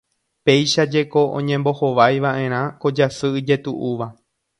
Péichajeko oñembohovaiva'erã ko jasy ijetu'úva.